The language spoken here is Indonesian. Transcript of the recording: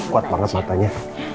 kuat banget matanya